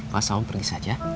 pak sahum pergi saja